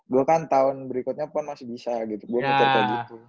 gue kan tahun berikutnya pun masih bisa gitu gue mikir kayak gitu